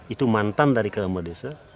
itu mantan dari kerama desa